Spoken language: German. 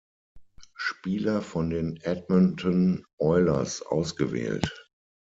Spieler von den Edmonton Oilers ausgewählt.